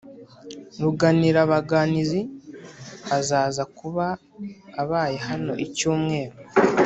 Ruganirabaganizi azaza kuba abaye hano icyumweru